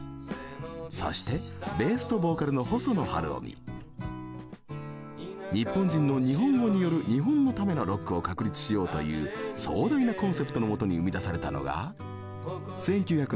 そして日本人の日本語による日本のためのロックを確立しようという壮大なコンセプトのもとに生み出されたのが。